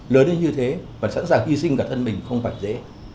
lớn như thế mà sẵn sàng hy sinh cả thân mình không phải dễ